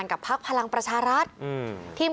ก็มันยังไม่หมดวันหนึ่ง